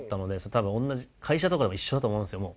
多分同じ会社とかでも一緒だと思うんですよ。